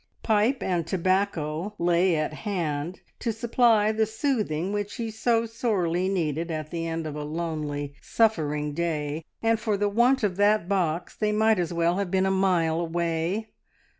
Pipe and tobacco lay at hand to supply the soothing which he so sorely needed at the end of a lonely, suffering day, and for the want of that box they might as well have been a mile away!